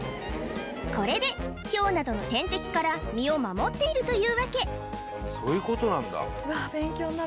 これでヒョウなどの天敵から身を守っているというわけそういうことなんだうわっ